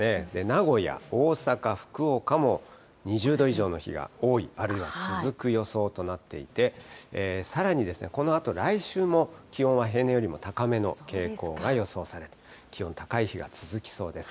名古屋、大阪、福岡も、２０度以上の日が多い、あるいは続く予想となっていて、さらにですね、このあと来週も気温は平年よりも高めの傾向が予想されると、気温高い日が続きそうです。